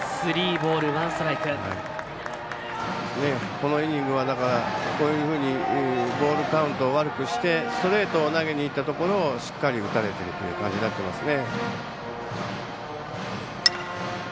このイニングは、こういうふうにボールカウントを悪くしてストレートを投げにいったところしっかり打たれているという感じになっていますね。